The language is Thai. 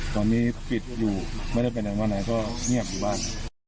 ตอนนี้ปิดอยู่ไม่ได้ไปไหนมาไหนก็เงียบอยู่บ้าน